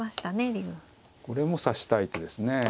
これも指したい手ですね。